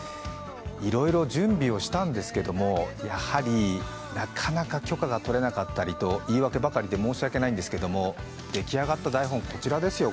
いろいろ準備をしたんですけれどなかなか許可がとれなかったりと言い訳ばかりで申し訳ないんですけれども、出来上がった台本こちらですよ